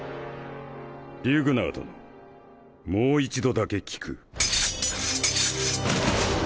リュグナー殿もう一度だけ聞く。